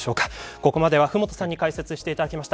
ここまでは麓さんに解説していただきました。